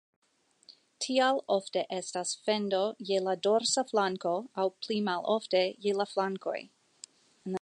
Tial ofte estas fendo je la dorsa flanko aŭ pli malofte je la flankoj.